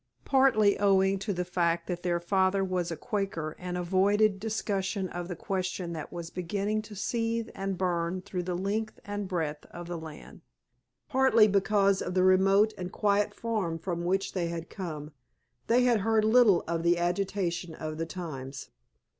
Partly owing to the fact that their father was a Quaker and avoided discussion of the question that was beginning to seethe and burn through the length and breadth of the land, partly because of the remote and quiet farm from which they had come, they had heard little of the agitation of the times.